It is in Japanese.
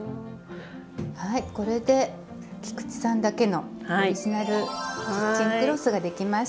はいこれで菊池さんだけのオリジナルキッチンクロスが出来ました。